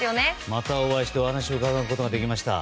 またお会いしてお話を伺うことができました。